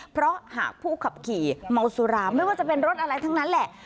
เพราะหากผู้ขับขี่เมาสุราไม่ว่าจะเป็นรถอะไรทั้งนั้นแหละ